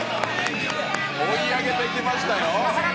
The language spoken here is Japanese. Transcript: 追い上げてきましたよ。